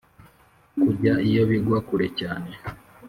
kujya iyo bigwa kure cyane